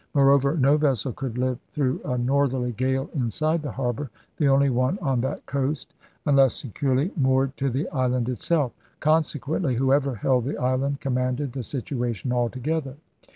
Moreover, no vessel could live through a northerly gale inside the harbor — the only one on that coast — unless securely moored to the island itself. Consequently who ever held the island commanded the situation altogether.